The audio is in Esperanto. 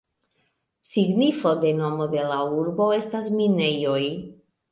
Signifo de nomo de la urbo estas "minejoj".